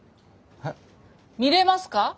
えっ？見れますか？